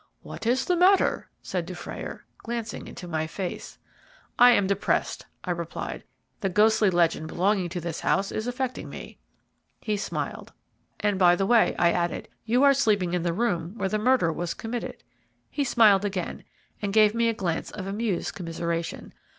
"What is the matter?" said Dufrayer, glancing into my face. "I am depressed," I replied; "the ghostly legend belonging to this house is affecting me." He smiled. "And by the way," I added, "you are sleeping in the room where the murder was committed." He smiled again, and gave me a glance of amused commiseration.